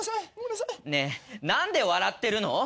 ・ねえ何で笑ってるの？